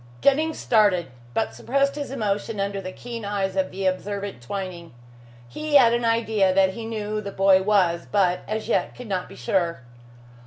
Jennings started, but suppressed his emotion under the keen eyes of the observant Twining. He had an idea that he knew who the boy was, but as yet could not be sure.